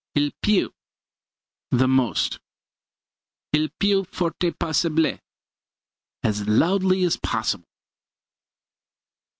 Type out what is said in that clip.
Il più the most. Il più forte possible as loudly as possible.